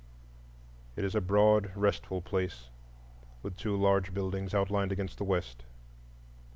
It is a broad, restful place, with two large buildings outlined against the west.